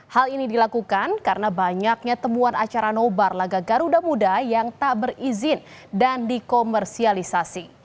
hal ini dilakukan karena banyaknya temuan acara nobar laga garuda muda yang tak berizin dan dikomersialisasi